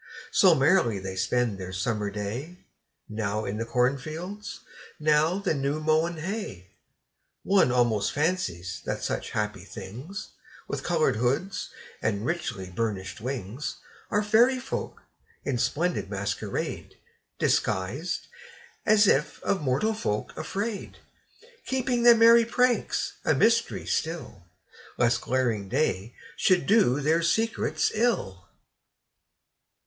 So merrily they spend their summer day, Now in the cornfields, now the new mown hay. One almost fancies that such happy things, With coloured hoods and richly burnished wings, Are fairy folk, in splendid masquerade Disguised, as if of mortal folk afraid, Keeping their merry pranks a mystery still, Lest glaring day should do their secrets ill.